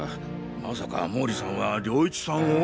まさか毛利さんは涼一さんを？